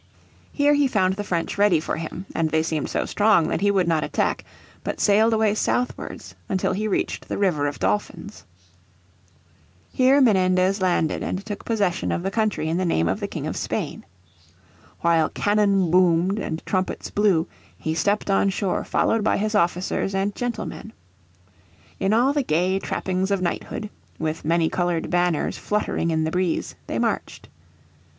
Here he found the French ready for him, and they seemed so strong that he would not attack, but sailed away southwards until he reached the river of Dolphins. Here Menendez landed and took possession of the country in the name of the King of Spain. While cannon boomed and trumpets blew he stepped on shore followed by his officers and gentlemen. In all the gay trappings of knighthood, with many coloured banners fluttering in the breeze, they marched.